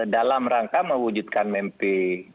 dalam rangka mewujudkan mimpi